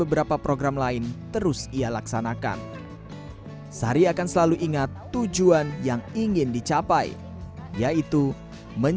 dalam mengembangkan kebun dapur dan